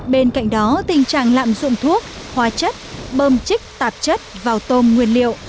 bên cạnh đó tình trạng lạm dụng thuốc hóa chất bơm chích tạp chất vào tôm nguyên liệu